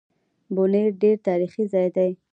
بونېر ډېر تاريخي ځای دی